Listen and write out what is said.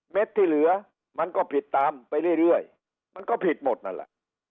เด็ดที่เหลือมันก็ผิดตามไปเรื่อยมันก็ผิดหมดนั่นแหละ